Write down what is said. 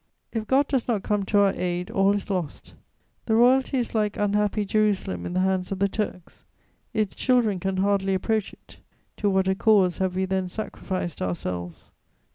"If God does not come to our aid, all is lost; the Royalty is like unhappy Jerusalem in the hands of the Turks: its children can hardly approach it; to what a cause have we then sacrificed ourselves!